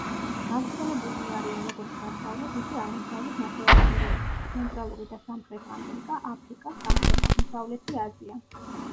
გავრცელებულნი არიან როგორც დასავლეთ, ისე აღმოსავლეთ ნახევარსფეროებში: ცენტრალური და სამხრეთ ამერიკა, აფრიკა, სამხრეთ-აღმოსავლეთი აზია.